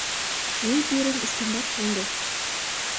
Мӱй пӱрым ӱстембак шынде.